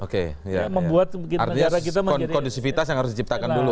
artinya kondusivitas yang harus diciptakan dulu